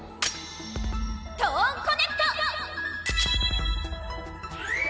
トーンコネクト！